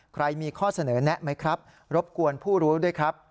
ใครมีข้อเสนอแนะไหมครับรบกวนผู้รู้ด้วยครับ